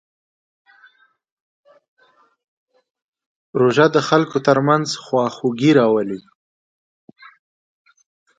روژه د خلکو ترمنځ خواخوږي راولي.